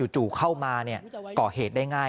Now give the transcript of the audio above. จู่เข้ามาก่อเหตุได้ง่าย